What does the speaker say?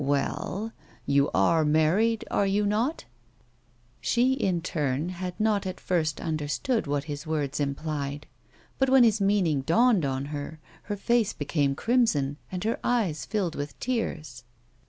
Well, you are married, are you not 1 " She, in her turn, had not at first understood what his words implied, but when his meaning dawned on her, her face became crimson, and her eyes filled with tears.